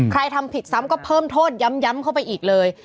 ทำผิดซ้ำก็เพิ่มโทษย้ำเข้าไปอีกเลย